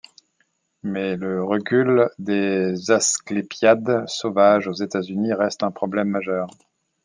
Mais le recul des asclépiades sauvages aux États-Unis reste un problème majeur.